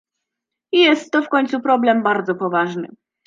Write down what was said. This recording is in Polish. Jest to w końcu problem bardzo poważny